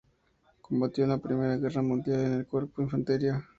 Combatió en la Primera Guerra Mundial en el cuerpo de infantería.